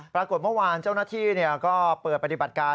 ปรากฏเมื่อวานเจ้าหน้าที่ก็เปิดปฏิบัติการ